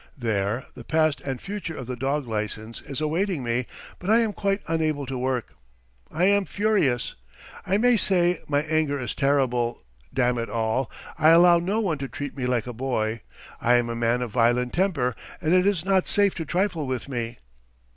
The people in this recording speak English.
There the "Past and Future of the Dog Licence" is awaiting me, but I am quite unable to work. I am furious. ... I may say, my anger is terrible. Damn it all! I allow no one to treat me like a boy, I am a man of violent temper, and it is not safe to trifle with me!